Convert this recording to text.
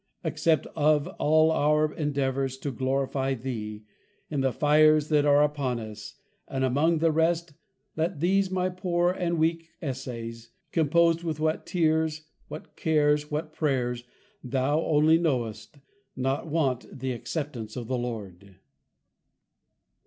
Accept of all our Endeavours to glorify thee, in the Fires that are upon us; and among the rest, Let these my poor and weak essays, composed with what Tears, what Cares, what Prayers, thou +only+ knowest, not want the Acceptance of the Lord.